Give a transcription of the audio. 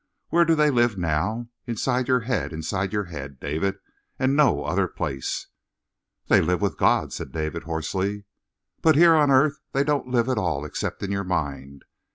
Where do they live now? Inside your head, inside your head, David, and no other place!" "They live with God," said David hoarsely. "But here on earth they don't live at all except in your mind.